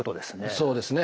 そうですね。